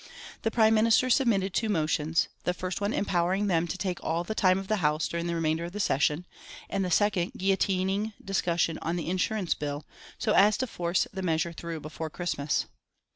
The Prime Minister submitted two motions, the first one empowering them to take all the time of the House during the remainder of the session, and the second guillotining discussion on the Insurance Bill so as to force the measure through before Christmas.